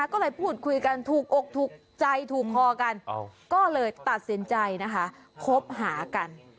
ก็เลยพูดคุยกันถูกอกถูกใจถูกคอกันก็เลยตัดสินใจนะคะคบหากัน